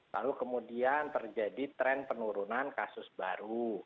lalu kemudian terjadi tren penurunan kasus baru